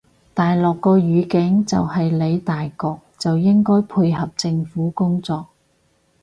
大陸個語境就係理大局就應該配合政府工作